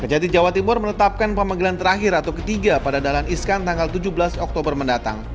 kejati jawa timur menetapkan pemanggilan terakhir atau ketiga pada dalan iskan tanggal tujuh belas oktober mendatang